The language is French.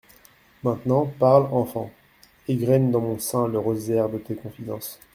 Maintenant, parle, enfant … égrène dans mon sein le rosaire de tes confidences …